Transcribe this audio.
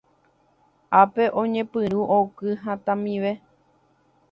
Ápe oñepyrũ oky hatãmive.